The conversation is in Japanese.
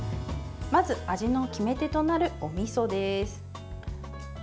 まず、味の決め手となるおみそです。